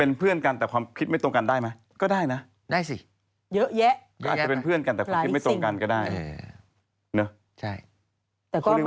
เป็นเพื่อนกันแต่ความคิดไม่ตรงกันได้ไหม